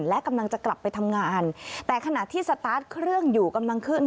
และกำลังจะกลับไปทำงานแต่ขณะที่สตาร์ทเครื่องอยู่กำลังขึ้น